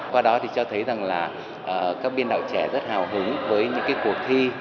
qua đó thì cho thấy rằng là các biên đạo trẻ rất hào hứng với những cuộc thi